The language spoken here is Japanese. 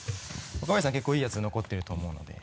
若林さん結構いいやつ残ってると思うので。